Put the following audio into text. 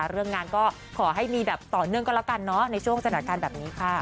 ลุ้นทุกย่างก้าวเลยตอนนี้ครับ